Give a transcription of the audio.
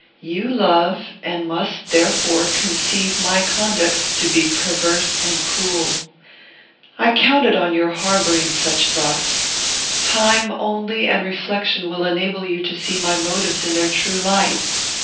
You love; and must, therefore, conceive my conduct to be perverse and cruel. I counted on your harbouring such thoughts. Time only and reflection will enable you to see my motives in their true light.